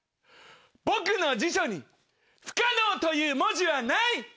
僕の辞書に不可能という文字はない！